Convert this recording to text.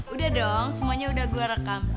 udah dong semuanya udah gue rekam